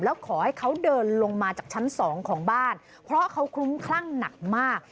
แล้วขอให้เขาเดินลงมาจากชั้นสองของบ้านเพราะเขาคลุ้มคลั่งหนักมาก